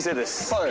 はい。